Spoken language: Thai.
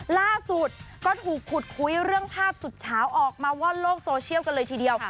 ล่าสุดก็ถูกขุดคุยเรื่องภาพสุดเฉาออกมาว่อนโลกโซเชียลกันเลยทีเดียว